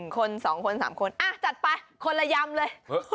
คน๒คน๓คนจัดไปคนละยำเลย